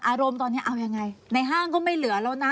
อารมณ์ตอนนี้เอายังไงในห้างก็ไม่เหลือแล้วนะ